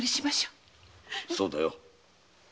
そうだよ。